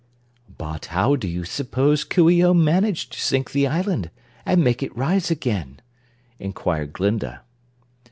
"But how do you suppose Coo ee oh managed to sink the island, and make it rise again?" inquired Glinda.